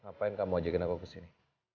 ngapain kamu ajakin aku ke sini